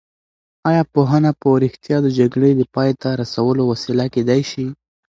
ایا پوهنه په رښتیا د جګړې د پای ته رسولو وسیله کېدای شي؟